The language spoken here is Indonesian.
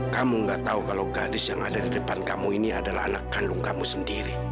kamu gak tahu kalau gadis yang ada di depan kamu ini adalah anak kandung kamu sendiri